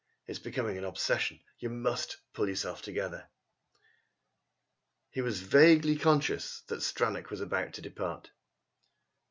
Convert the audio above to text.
It's becoming an obsession. You must pull yourself together." He was vaguely conscious that Stranack was about to depart.